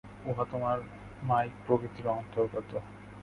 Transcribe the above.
উহা তোমার মায়িক প্রকৃতির অন্তর্গত।